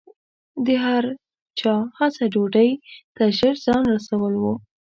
د هر چا هڅه ډوډۍ ته ژر ځان رسول و.